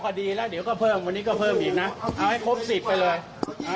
๙คดีแล้วเด๋ยวก็เพิ่มวันดีก็เพิ่มอีกน่ะ